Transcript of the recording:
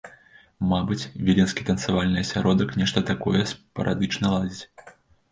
Мабыць, віленскі танцавальны асяродак нешта такое спарадычна ладзіць.